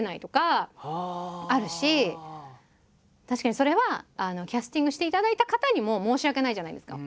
確かにそれはキャスティングしていただいた方にも申し訳ないじゃないですか。